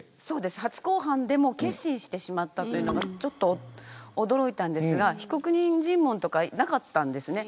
初公判で結審してしまったのがちょっと驚いたんですが被告人尋問とかなかったんですね。